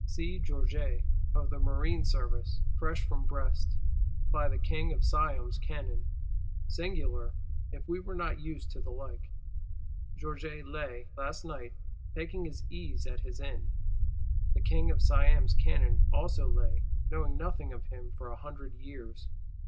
See Georget, of the Marine Service, fresh from Brest, ply the King of Siam's cannon. Singular (if we were not used to the like): Georget lay, last night, taking his ease at his inn; the King of Siam's cannon also lay, knowing nothing of him, for a hundred years.